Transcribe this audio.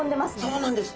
そうなんです。